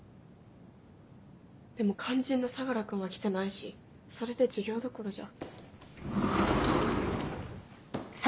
でも肝心の相楽君は来てないしそれで授業どころじゃ。